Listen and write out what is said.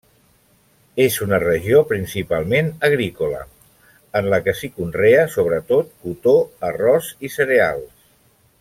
És una regió principalment agrícola, en la que s'hi conrea, sobretot, cotó, arròs i cereals.